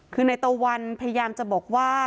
คือในตะวันพยายามจะบอกว่า